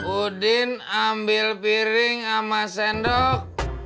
udin ambil piring sama sendok